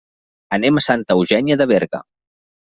Anem a Santa Eugènia de Berga.